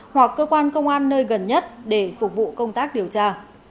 hoặc cơ quan công an nơi gần nhất để phục vụ công tác điều tra